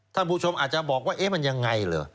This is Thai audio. ท่านผู้ชมอาจจะบอกว่าเอ๊ะมันยังไงเหรอ